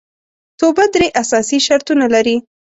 توبه درې اساسي شرطونه لري